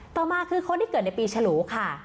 ต่อมาคือคนที่เกิดในปีฉลูค่ะ